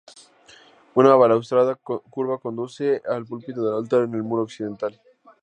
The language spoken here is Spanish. Una balaustrada curva conduce al púlpito del altar en el muro oriental.